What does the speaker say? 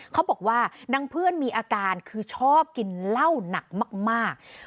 เขาบอกว่านางเพื่อนมีอาการคือชอบกินเหล้าหนักมาก